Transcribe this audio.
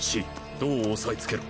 胴を押さえつけろ。